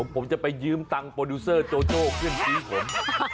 ผมจะไปยืมตังค์โปรดิวเซอร์โจโจ้เพื่อนชี้ผม